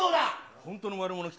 本当の悪者来た。